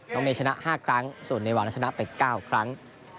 น้องเมชนะห้าครั้งส่วนเนวาวนั้นชนะไปเก้าครั้ง